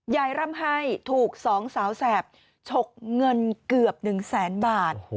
ร่ำไห้ถูกสองสาวแสบฉกเงินเกือบ๑แสนบาท